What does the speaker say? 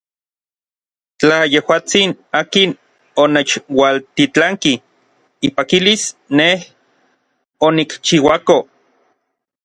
Tla yejuatsin akin onechualtitlanki ipakilis nej onikchiuako.